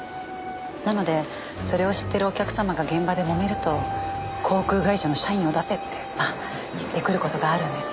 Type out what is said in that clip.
なのでそれを知ってるお客様が現場でもめると航空会社の社員を出せって言ってくる事があるんです。